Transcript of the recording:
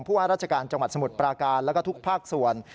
ว่าราชการจังหวัดสมุทรปราการแล้วก็ทุกภาคส่วน